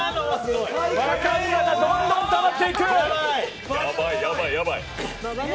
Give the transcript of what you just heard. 若槻さんがどんどんたまっていく。